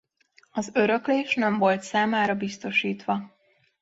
Az öröklés nem volt számára biztosítva.